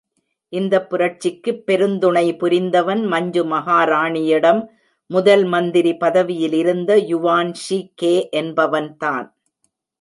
இந்தப் புரட்சிக்குப் பெருந்துணை புரிந்தவன், மஞ்சு மகாராணியிடம் முதல் மந்திரி பதவியிலிருந்த யுவான் ஷி கே என்பவன்தான்.